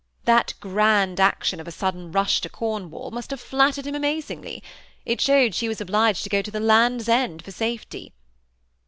That grand action of a sudden rush to Cornwall must have fiattered him amazingly; it showed she was obliged to go to the Land's End for j^afety.